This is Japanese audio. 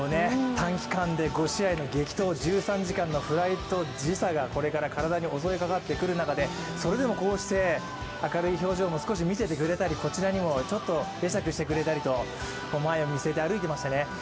短期間で５試合の激闘、１３時間のフライト時差がこれから体に襲いかかってくる中でそれでもこうして明るい表情も見せてくれたり、こちらにもちょっと会釈してくれたりと前を見据えて歩いてましたね。